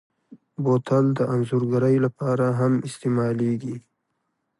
بوتل د انځورګرۍ لپاره هم استعمالېږي.